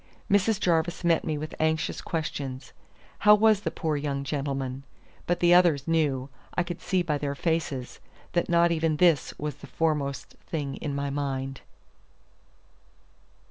Mrs. Jarvis met me with anxious questions. How was the poor young gentleman? But the others knew, I could see by their faces, that not even this was the foremost thing in my mind.